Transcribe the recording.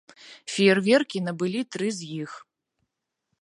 Феерверкі набылі тры з іх.